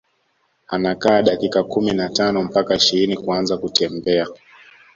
Anakaa dakika kumi na tano mpaka ishirini kuanza kutembea